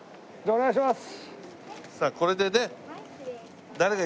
お願いします。